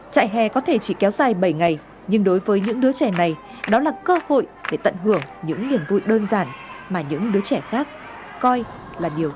trại hè có thể chỉ kéo dài bảy ngày nhưng đối với những đứa trẻ này đó là cơ hội để tận hưởng những niềm vui đơn giản mà những đứa trẻ khác coi là điều